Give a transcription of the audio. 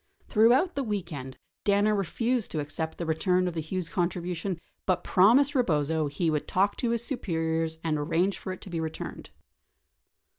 Throughout the weekend, Danner refused to accept the return of the Hughes contribution but promised Eebozo he would talk to his superiors and arrange for it to be returned.